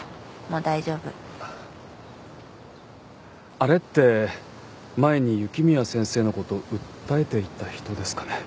あれって前に雪宮先生の事を訴えていた人ですかね？